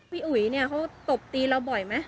พี่อุ๋ยเนี่ยเขาตบตีเราบ่อยมั้ย